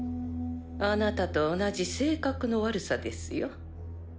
あなたと同じ性格の悪さですよ。